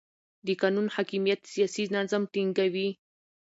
د قانون حاکمیت سیاسي نظم ټینګوي